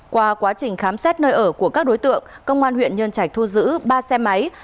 qua quá trình khám xét nơi ở của các đối tượng công an huyện nhân trạch thu giữ ba xe máy